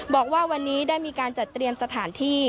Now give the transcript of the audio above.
บอกว่าวันนี้ได้มีการจัดเตรียมสถานที่